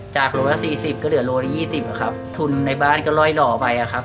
จากโลกละสี่สิบก็เหลือโลกละยี่สิบอ่ะครับทุนในบ้านก็ร่อยหล่อไปอ่ะครับ